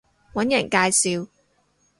搵人介紹